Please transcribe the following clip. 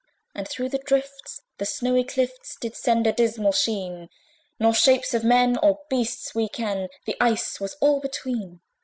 And through the drifts the snowy clifts Did send a dismal sheen: Nor shapes of men nor beasts we ken The ice was all between.